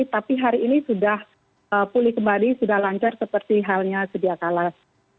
tapi hari ini sudah pulih kembali sudah lancar seperti halnya sedia kala